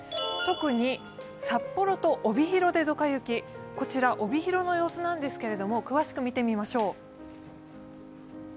特に札幌と帯広でドカ雪、こちら、帯広の様子なんですけれども、詳しく見てみましょう。